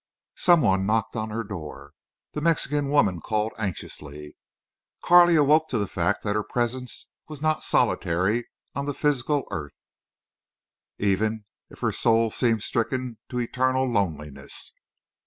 Some one knocked on her door. The Mexican woman called anxiously. Carley awoke to the fact that her presence was not solitary on the physical earth, even if her soul seemed stricken to eternal loneliness.